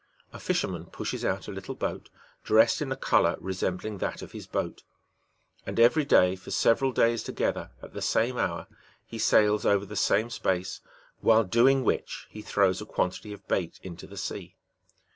A fish erman pushes out in a little boat, dressed in a colour resembling that of his boat ; and every day, for several days together, at the same hour, he sails over the same space, while doing which he throws a quantity of bait into the sea.